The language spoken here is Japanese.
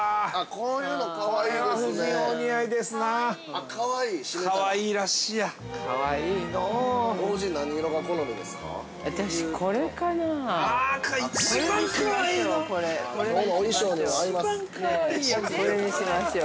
◆これにしましょう。